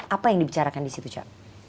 apa yang dibicarakan disitu ca